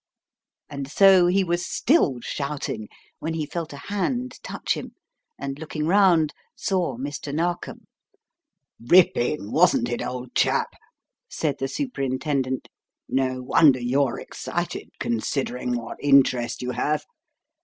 And so he was still shouting when he felt a hand touch him, and looking round saw Mr. Narkom. "Ripping, wasn't it, old chap?" said the superintendent. "No wonder you are excited, considering what interest you have.